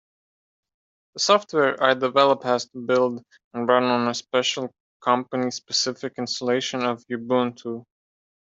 The software I develop has to build and run on a special company-specific installation of Ubuntu.